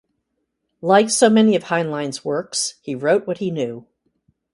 Like so many of Heinlein's works, he wrote what he knew.